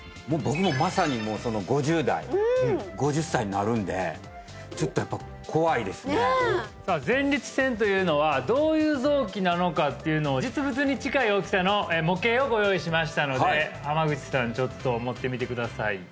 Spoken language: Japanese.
もう僕もまさに５０代５０歳になるんでちょっとやっぱ怖いですねさあ前立腺というのはどういう臓器なのかっていうのを実物に近い大きさの模型をご用意しましたので濱口さんちょっと持ってみてください